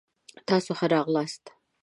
تاسو ښه راغلاست.